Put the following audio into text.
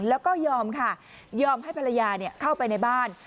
แล้วก็ยอมค่ะยอมให้ภรรยาเข้าไปในบ้าน